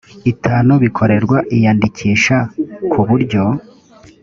itanu bikorerwa iyandikisha ku buryo